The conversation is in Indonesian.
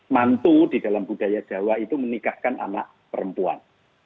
mantu di dalam budaya jawa itu menikahkan anak perempuan